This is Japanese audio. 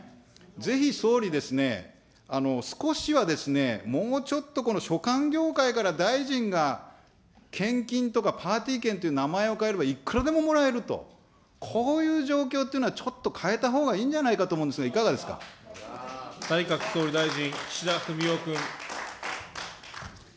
ぜひ、総理ですね、少しは、もうちょっと、この所管業界から大臣が献金とかパーティー券という名前を変えれば、いくらでももらえると、こういう状況っていうのは、ちょっと変えたほうがいいんじゃないかと思うんですが、いかがで内閣総理大臣、岸田文雄君。